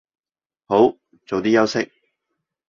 好，早啲休息